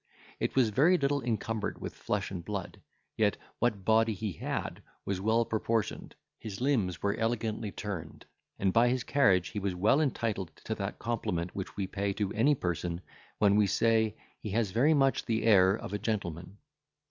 He was very little encumbered with flesh and blood; yet what body he had was well proportioned, his limbs were elegantly turned, and by his carriage he was well entitled to that compliment which we pay to any person when we say he has very much the air of a gentleman.